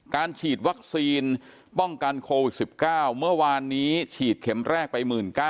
ฉีดวัคซีนป้องกันโควิด๑๙เมื่อวานนี้ฉีดเข็มแรกไป๑๙๐๐